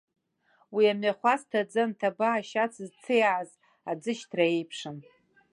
Уи амҩахәасҭа, аӡы анҭаба, ашьац зҭиааз аӡышьҭра еиԥшын.